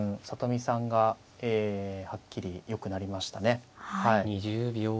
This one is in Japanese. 里見さんがはっきりよくなりましたね。